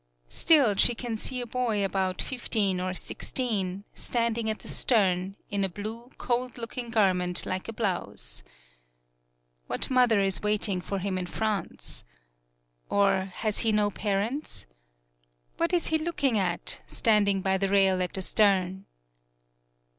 Still she can see a boy about fifteen or sixteen, standing at the stern, in a blue, cold looking garment like a blouse. What mother is waiting for him in France? Or, has he no parents? What is he looking at, standing by the rail at the stern?